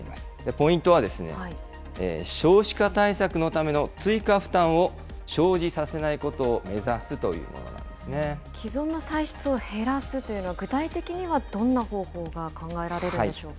ポイントは、少子化対策のための追加負担を生じさせないことを目指すというも既存の歳出を減らすというのは、具体的にはどんな方法が考えられるんでしょうか。